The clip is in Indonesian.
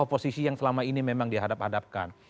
oposisi yang selama ini memang dihadap hadapkan